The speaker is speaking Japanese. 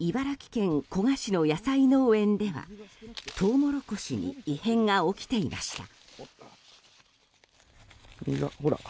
茨城県古河市の野菜農園ではトウモロコシに異変が起きていました。